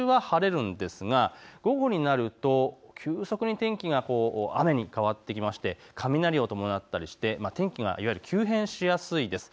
午前中は晴れるんですが午後になると急速に天気が雨に変わってきまして雷を伴ったりして天気が急変しやすいです。